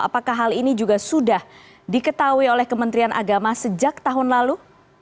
apakah hal ini juga sudah diketahui oleh kementerian agama sejak tahun lalu